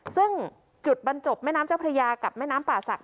ซึ่งจุดบรรจบแม่น้ำเจ้าพระยากับแม่น้ำป่าศักดิ